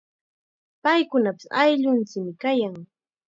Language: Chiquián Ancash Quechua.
Paykunapis ayllunchikmi kayan.